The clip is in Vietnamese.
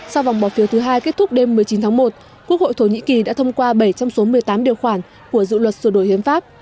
sau vòng bỏ phiếu thứ hai kết thúc đêm một mươi chín tháng một quốc hội thổ nhĩ kỳ đã thông qua bảy trong số một mươi tám điều khoản của dự luật sửa đổi hiến pháp